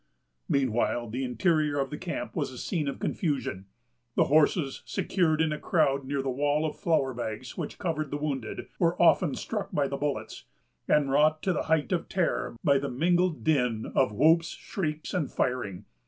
Meanwhile the interior of the camp was a scene of confusion. The horses, secured in a crowd near the wall of flour bags which covered the wounded, were often struck by the bullets, and wrought to the height of terror by the mingled din of whoops, shrieks, and firing.